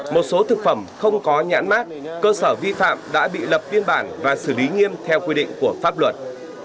một số thực phẩm không có nhãn mát cơ sở vi phạm đã bị lập biên bản và xử lý nghiêm theo quy định của pháp luật